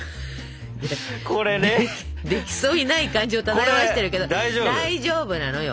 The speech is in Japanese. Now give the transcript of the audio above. できそうにない感じを漂わしてるけど大丈夫なのよ